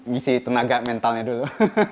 ngisi tenaga mentalnya dulu